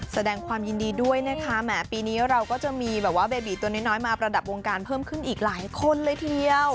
แสดงความยินดีด้วยนะคะแหมปีนี้เราก็จะมีแบบว่าเบบีตัวน้อยมาประดับวงการเพิ่มขึ้นอีกหลายคนเลยทีเดียว